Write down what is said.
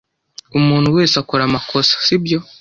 Umuntu wese akora amakosa, sibyo?